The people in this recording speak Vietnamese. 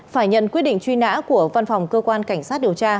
phải nhận quyết định truy nã của văn phòng cơ quan cảnh sát điều tra